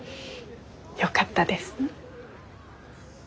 よかったです。